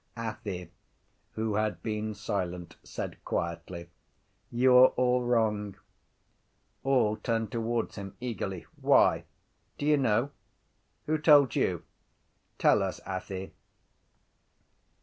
Athy, who had been silent, said quietly: —You are all wrong. All turned towards him eagerly. —Why? —Do you know? —Who told you? —Tell us, Athy.